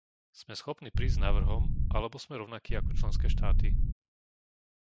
Sme schopní prísť s návrhom alebo sme rovnakí ako členské štáty?